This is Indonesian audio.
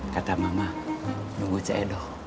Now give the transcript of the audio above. kata mama nunggu cedol